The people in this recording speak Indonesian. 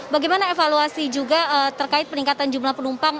bagaimana evaluasi juga terkait peningkatan jumlah penumpang